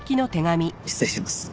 失礼します。